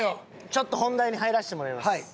ちょっと本題に入らせてもらいます。